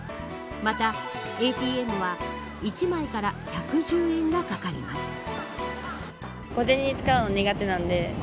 またＡＴＭは１枚から１１０円がかかります。